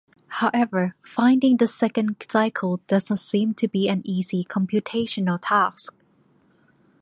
However, finding this second cycle does not seem to be an easy computational task.